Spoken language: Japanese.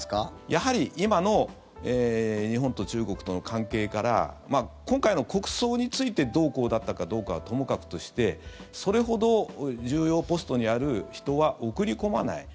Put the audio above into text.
やはり今の日本と中国との関係から今回の国葬についてどうこうだったかどうかはともかくとしてそれほど重要ポストにある人は送り込まない。